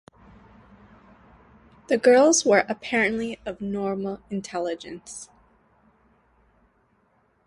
The girls were apparently of normal intelligence.